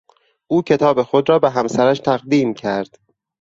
او کتاب خود را به همسرش تقدیم کرد.